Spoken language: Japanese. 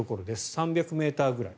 ３００ｍぐらい。